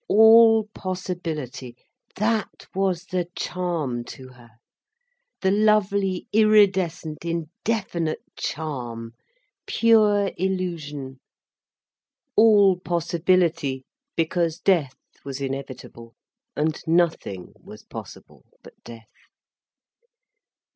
All possibility—that was the charm to her, the lovely, iridescent, indefinite charm,—pure illusion. All possibility—because death was inevitable, and nothing was possible but death.